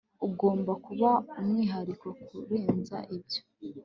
Ugomba kuba umwihariko kurenza ibyo